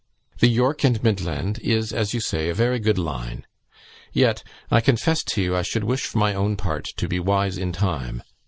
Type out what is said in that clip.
The York and Midland is, as you say, a very good line, yet, I confess to you, I should wish, for my own part, to be wise in time.